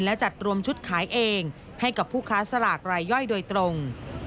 และจัดรวมชุดขายเองให้กับผู้ค้าสลากรายย่อยโดยตรง